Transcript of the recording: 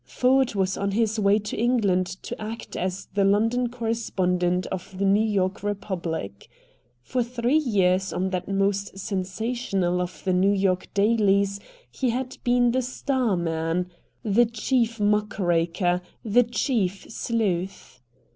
Ford was on his way to England to act as the London correspondent of the New York Republic. For three years on that most sensational of the New York dailies he had been the star man, the chief muckraker, the chief sleuth.